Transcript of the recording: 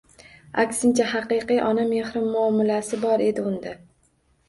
Aksincha, haqiqiy ona mehri, muomalasi bor edi unda.